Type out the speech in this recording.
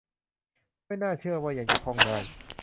ไม่น่าเชื่อว่าจะยังท่องได้